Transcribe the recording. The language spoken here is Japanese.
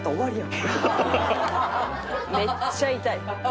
めっちゃ痛い。